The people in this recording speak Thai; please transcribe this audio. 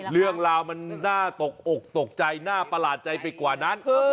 เรื่องราวมันน่าตกอกตกใจน่าประหลาดใจไปกว่านั้น